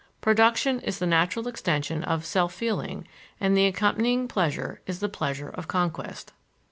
Production is the natural extension of "self feeling," and the accompanying pleasure is the pleasure of conquest.